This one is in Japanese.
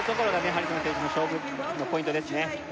ハリソン選手の勝負のポイントですね